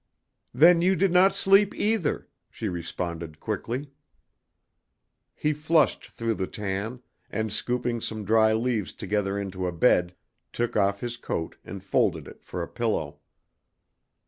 "Then you did not sleep either," she responded quickly. He flushed through the tan, and scooping some dry leaves together into a bed, took off his coat and folded it for a pillow.